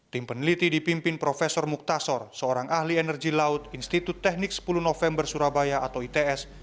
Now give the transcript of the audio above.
tim peneliti dipimpin prof muktasor seorang ahli energi laut institut teknik sepuluh november surabaya atau its